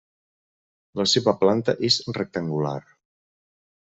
La seva planta és rectangular.